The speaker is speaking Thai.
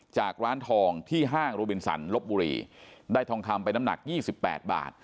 จากร้านทองที่ห้างลบบุรีได้ทองคำเป็นน้ำหนักยี่สิบแปดบาท